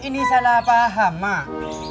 ini salah paham mak